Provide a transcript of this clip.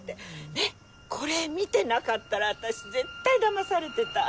ねっこれ見てなかったら私絶対だまされてた。